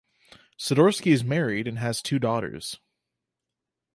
Sidorsky is married and has two daughters.